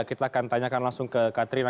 kita akan tanyakan langsung ke katrina